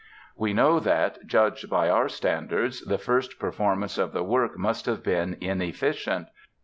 We know that, judged by our standards, the first performance of the work must have been inefficient.